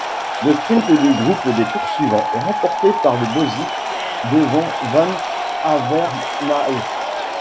Le sprint du groupe des poursuivants est remporté par le Božič devant Van Avermaet.